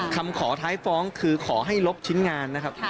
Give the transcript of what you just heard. คำขอท้ายฟ้องคือขอให้ลบชิ้นงานนะครับ